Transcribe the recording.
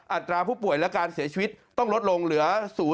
อัตราผู้ป่วยและการเสียชีวิตต้องลดลงเหลือ๐